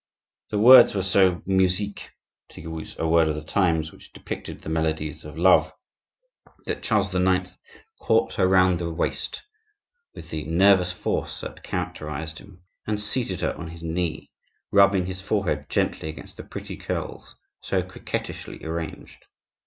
The words were so musiques (to use a word of the times which depicted the melodies of love) that Charles IX. caught her round the waist with the nervous force that characterized him, and seated her on his knee, rubbing his forehead gently against the pretty curls so coquettishly arranged.